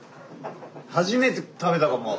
初めて食べたかも。